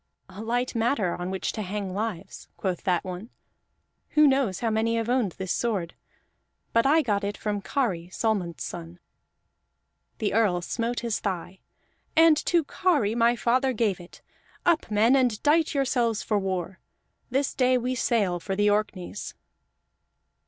"A light matter on which to hang lives," quoth that one. "Who knows how many have owned this sword? But I got it from Kari, Solmund's son." The Earl smote his thigh. "And to Kari my father gave it! Up, men, and dight yourselves for war! This day we sail for the Orkneys."